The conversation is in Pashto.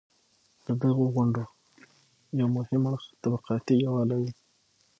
د دغو غونډو یو مهم اړخ طبقاتي یووالی و.